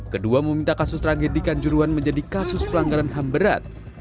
kedua meminta kasus tragedi kanjuruan menjadi kasus pelanggaran ham berat